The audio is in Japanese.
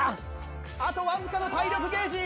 あとわずかな体力ゲージ。